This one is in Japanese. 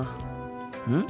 うん？